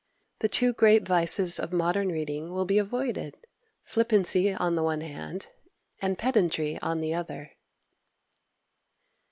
The two great vices of modern reading will be avoided flippancy on the one hand, and pedantry on the other.